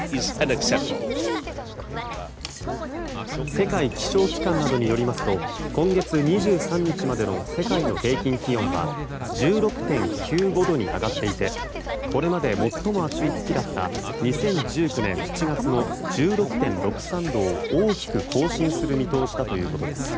世界気象機関などによりますと今月２３日までの世界の平均気温は１６．９５度に上がっていてこれまで最も暑い月だった２０１９年７月の１６．６３度を大きく更新する見通しだということです。